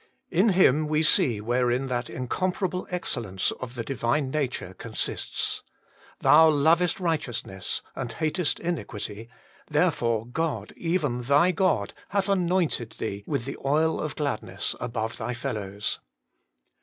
1. In Him we see wherein that Incomparable Excellence of the Divine Nature consists. ' Thou lovest righteousness, and hatest iniquity, therefore God, even Thy God, hath anointed Thee with the oil of gladness above Thy fellows.'